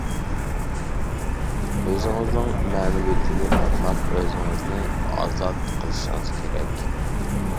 ئۆزىڭىزنىڭ مەنىۋىيىتىنى پاكلاپ، ئۆزىڭىزنى ئازاد قىلىشىڭىز كېرەك.